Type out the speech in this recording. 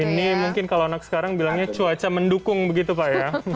ini mungkin kalau anak sekarang bilangnya cuaca mendukung begitu pak ya